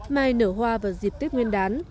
mai nở hoa vào dịp tết nguyên đán